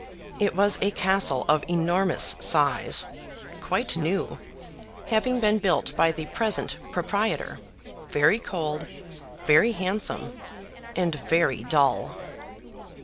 It was a castle of enormous size, quite new, having been built by the present proprietor, very cold, very handsome, and very dull.